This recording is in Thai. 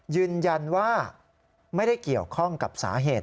ยืนยันว่าไม่ได้เกี่ยวข้องกับสาเหตุ